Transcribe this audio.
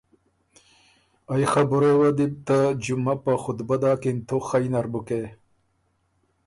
ائ خبُرئ یه وه دی بو ته جمعه په خطبه داکِن، تُو خئ نر بُکې۔